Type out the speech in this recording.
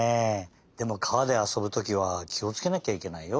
でも川であそぶときはきをつけなきゃいけないよ。